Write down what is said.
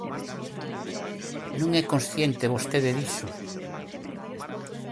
¿Non é consciente vostede diso?